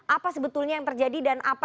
apa sebetulnya yang terjadi dan apa